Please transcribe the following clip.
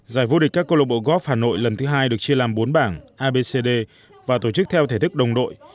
giải vô địch các câu lộc bộ góp hà nội lần thứ hai được chia làm bốn bảng abcd và tổ chức theo thể thức đồng đội